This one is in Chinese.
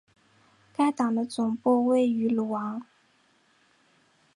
该党的总部位于鲁昂。